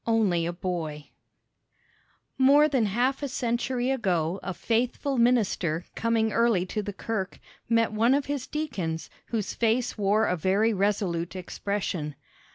ONLY A BOY More than half a century ago a faithful minister coming early to the kirk, met one of his deacons, whose face wore a very resolute expression.